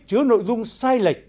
chứa nội dung sai lệch